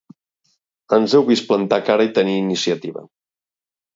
Ens heu vist plantar cara i tenir iniciativa.